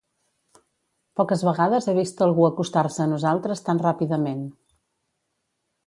Poques vegades he vist algú acostar-se a nosaltres tan ràpidament.